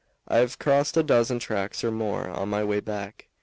I've crossed a dozen tracks or more on my way back.